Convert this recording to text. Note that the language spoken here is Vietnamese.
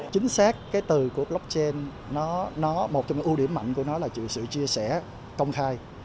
chính xác cái từ của blockchain nó một trong những ưu điểm mạnh của nó là sự chia sẻ công khai